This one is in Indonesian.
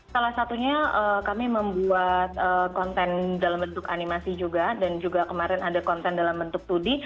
salah satunya kami membuat konten dalam bentuk animasi juga dan juga kemarin ada konten dalam bentuk dua d